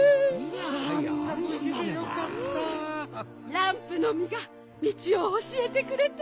ランプのみがみちをおしえてくれて。